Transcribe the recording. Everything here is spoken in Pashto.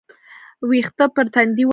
ويښته پر تندي وه.